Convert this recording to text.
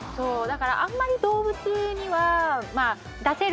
だからあんまり動物には。